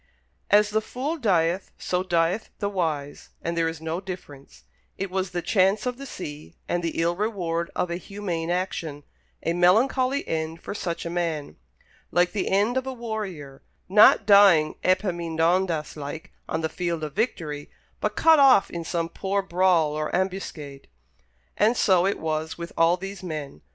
As the fool dieth, so dieth the wise, and there is no difference; it was the chance of the sea, and the ill reward of a humane action a melancholy end for such a man like the end of a warrior, not dying Epaminondas like on the field of victory, but cut off in some poor brawl or ambuscade. But so it was with all these men.